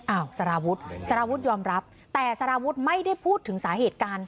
สารวุฒิสารวุฒิยอมรับแต่สารวุฒิไม่ได้พูดถึงสาเหตุการณ์